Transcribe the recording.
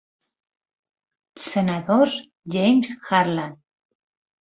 Senadors, James Harlan.